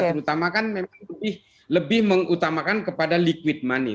terutama kan memang lebih mengutamakan kepada liquid money